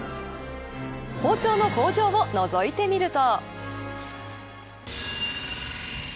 包丁の工場をのぞいてみると。